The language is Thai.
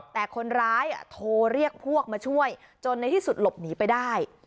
แต่คนร้ายโทรเรียกพวกมาช่วยจนในที่สุดหลบหนีไปได้